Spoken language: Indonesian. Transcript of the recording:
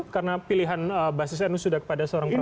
karena pilihan basis nu sudah kepada seorang prabowo